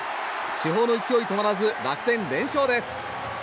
主砲の勢い止まらず楽天、連勝です。